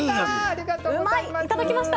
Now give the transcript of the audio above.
ありがとうございます。